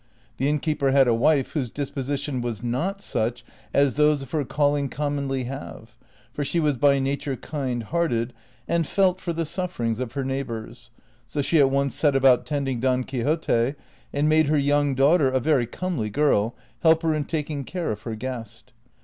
The iunkeeper had a wife whose disposition was not such as those of her calling com monly have, for she was by nature kiud hearted and felt for the sufferings of her neighbors, so she at once set about tend ing Don Quixote, and made her young daughter, a very comely girl, help her in taking care of her guest.